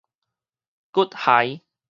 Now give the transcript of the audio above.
骨骸